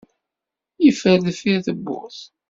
Yeffer deffir tewwurt